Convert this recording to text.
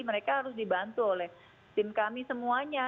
mereka harus dibantu oleh tim kami semuanya